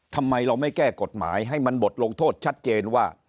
ทำไมเราไม่แก้กฎหมายให้มันบทลงโทษชัดเจนว่า